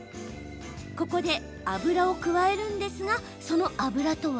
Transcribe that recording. ここで、油を加えるんですがその油とは？